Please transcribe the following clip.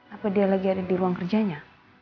apa dia lagi ada di ruang kerjanya